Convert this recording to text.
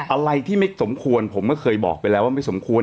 อะไรที่ไม่สมควรผมก็เคยบอกไปแล้วว่าไม่สมควร